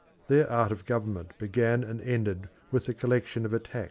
Their art of government began and ended with the collection of a tax.